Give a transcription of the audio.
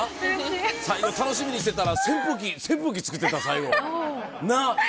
最後、楽しみにしてたら、扇風機、扇風機作ってた、最後。